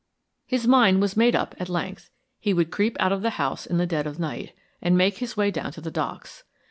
His mind was made up at length; he would creep out of the house in the dead of the night and make his way down to the Docks.